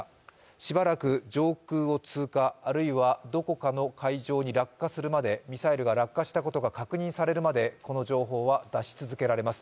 しばらく上空を通過あるいはどこかの海上に落下するまで、ミサイルが落下したことが確認されるまでこの情報は出し続けられます。